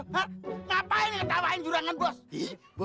ngapain ketawain jurangan bos